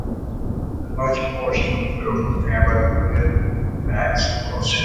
A large portion of the film covered Liebeck's lawsuit.